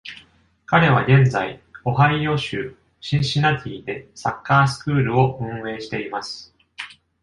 彼は現在、オハイオ州シンシナティでサッカースクールを運営しています。